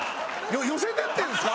寄せてってるんですか？